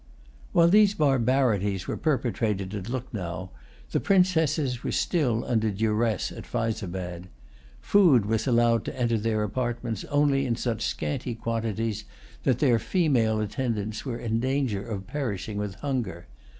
While these barbarities were perpetrated at Lucknow, the Princesses were still under duress at Fyzabad. Food was allowed to enter their apartments only in such scanty quantities that their female attendants were in danger of perishing with hunger.